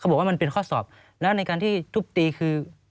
บอกว่ามันเป็นข้อสอบแล้วในการที่ทุบตีคือ